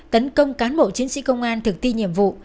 tấn công cán bộ chiến sĩ công an thực thi nhiệm vụ